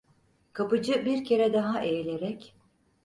Kapıcı bir kere daha eğilerek: